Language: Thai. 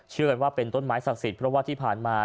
กันว่าเป็นต้นไม้ศักดิ์สิทธิ์เพราะว่าที่ผ่านมา